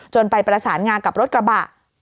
ไปประสานงากับรถกระบะ